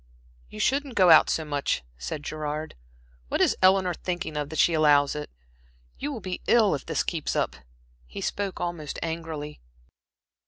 "You shouldn't go out so much," said Gerard. "What is Eleanor thinking of that she allows it? You you will be ill if this keeps up." He spoke almost angrily.